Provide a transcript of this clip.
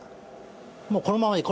もうこのままでいい。